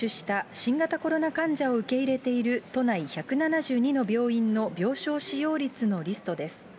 新型コロナ患者を受け入れている、都内１７２の病院の病床使用率のリストです。